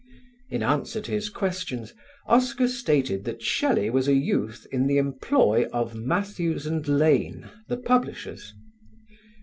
In answer to his questions Oscar stated that Shelley was a youth in the employ of Mathews and Lane, the publishers.